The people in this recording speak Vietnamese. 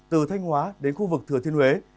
từ thanh hóa đến khu vực thừa thiên huế